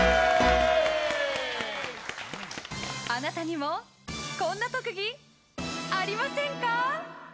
あなたにもこんな特技ありませんか？